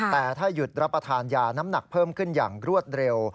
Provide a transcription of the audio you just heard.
แต่ถ้าหยุดรับประทานยาน้ำหนักเพิ่มขึ้นอย่างรวดเร็ว